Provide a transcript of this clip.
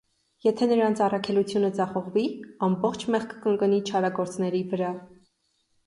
Եթե նրանց առաքելությունը ձախողվի՝ ամբողջ մեղքը կընկնի չարագործների վրա։